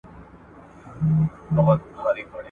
خدای مي مین کړی پر غونچه د ارغوان یمه !.